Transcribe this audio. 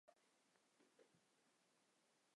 显然无法短期完成运输红一方面军渡河任务。